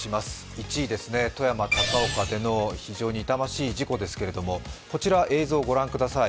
１位ですね、富山・高岡での非常に痛ましい事故ですがこちら映像をご覧ください。